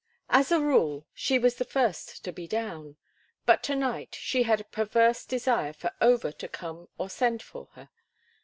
As a rule, she was the first to be down, but to night she had a perverse desire for Over to come or send for her.